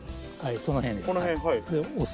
その辺です。